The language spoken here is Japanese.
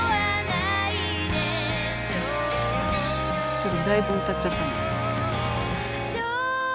ちょっとだいぶ歌っちゃったの。